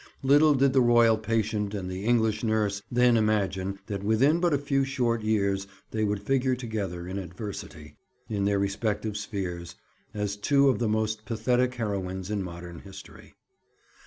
Little did the royal patient and the English nurse then imagine that within but a few short years they would figure together in adversity, in their respective spheres, as two of the most pathetic heroines in modern history.